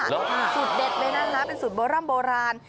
สุดเด็ดในนั้นนะเป็นสุดโบร่ำโบราณ